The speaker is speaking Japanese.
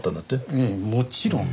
ええもちろん。